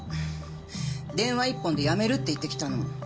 電話一本で辞めるって言ってきたの。